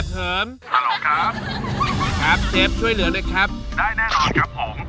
ได้ได้รับครับผม